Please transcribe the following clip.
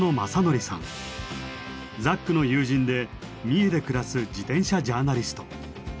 ザックの友人で三重で暮らす自転車ジャーナリスト。